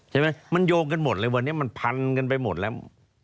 ใช่ไหมมันโยงกันหมดเลยวันนี้มันพันกันไปหมดแล้ว